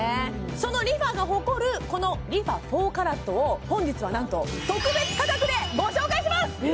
そのＲｅＦａが誇るこのＲｅＦａ４ＣＡＲＡＴを本日はなんと特別価格でご紹介します